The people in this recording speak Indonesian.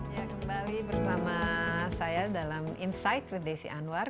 ya kembali bersama saya dalam insight with desi anwar